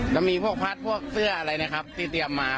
จะมีพวกพัดพวกเสื้ออะไรนะครับที่เตรียมมา